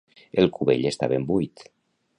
El cubell està ben buit.